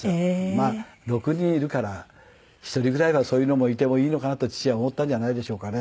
まあ６人いるから１人ぐらいはそういうのもいてもいいのかなと父は思ったんじゃないでしょうかね。